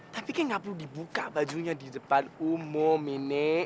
tapi kayaknya nggak perlu dibuka bajunya di depan umum ini